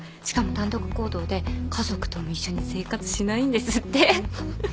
しかも単独行動で家族とも一緒に生活しないんですって。